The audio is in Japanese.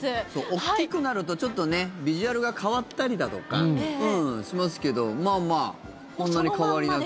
大きくなると、ちょっとビジュアルが変わったりだとかしますけど、まあまあそんなに変わりなく。